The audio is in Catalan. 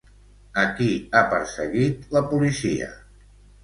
A qui ha perseguit la policia?